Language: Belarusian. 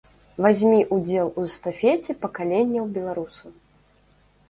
Вазьмі ўдзел у эстафеце пакаленняў беларусаў.